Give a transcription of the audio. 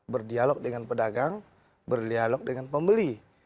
berdialog dengan pedagang berdialog dengan pembeli